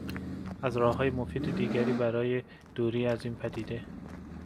از راههای مفید دیگر برای دوری از این پدیده